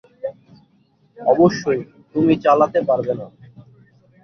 অবশ্যই, তুমি চালাতে পারবে না।